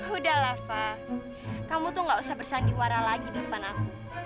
udah lava kamu tuh gak usah bersandiwara lagi di depan aku